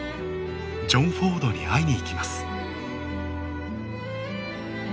ジョン・フォードに会いに行きます